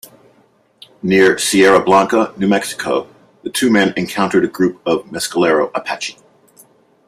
Near Sierra Blanca, New Mexico, the two men encountered a group of Mescalero Apache.